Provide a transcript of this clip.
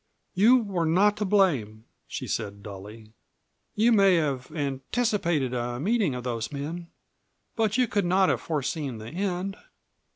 "You were not to blame," she said dully. "You may have anticipated a meeting of those men, but you could not have foreseen the end.